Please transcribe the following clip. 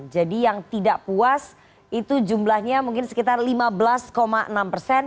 jadi yang tidak puas itu jumlahnya mungkin sekitar lima belas enam persen